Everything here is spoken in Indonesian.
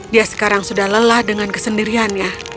dia sekarang sudah lelah dengan kesendiriannya